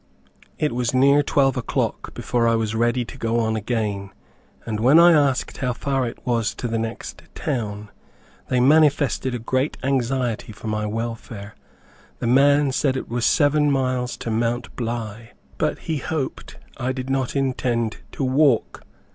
It was near twelve o'clock before I was ready to go on again, and when I asked how far it was to the next town, they manifested a great anxiety for my welfare. The man said it was seven miles to Mt. Bly, but he hoped I did not intend to walk.